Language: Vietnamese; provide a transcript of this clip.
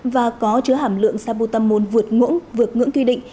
và có chứa hàm lượng saputamol vượt ngũng vượt ngưỡng quy định